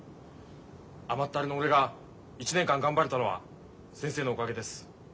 甘ったれの俺が１年間頑張れたのは先生のおかげです。